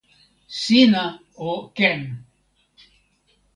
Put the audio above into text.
sina o ken!